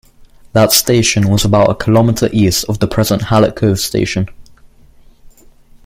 That station was about a kilometre east of the present Hallett Cove station.